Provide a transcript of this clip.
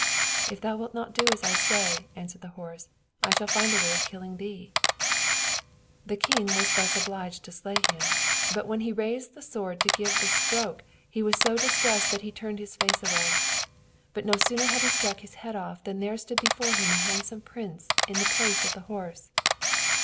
"If thou wilt not do as I say," answered the horse, "I shall find a way of killing thee." The king was then obliged to slay him; but when he raised the sword to give the stroke he was so distressed that he turned his face away; but no sooner had he struck his head off than there stood before him a handsome prince in the place of the horse.